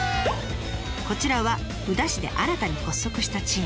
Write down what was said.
こちらは宇陀市で新たに発足したチーム。